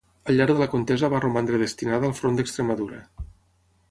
Al llarg de la contesa va romandre destinada al front d'Extremadura.